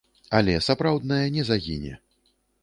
Але сапраўднае не загіне.